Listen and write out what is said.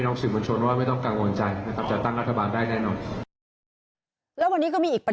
ก็คือกระแสข่าวว่าคุณพิทาไปเซ็นค้ำ